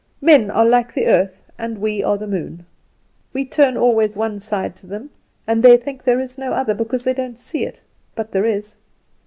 Men are like the earth, and we are the moon; we turn always one side to them, and they think there is no other, because they don't see it but there is."